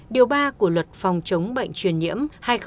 điều ba của luật phòng chống bệnh chuyển nhiễm hai nghìn bảy